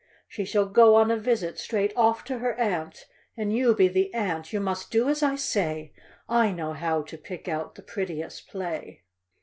She shall go on a visit straight off to her aunt ; And you he the aunt, — you must do as I say, — I know how to pick out the prettiest play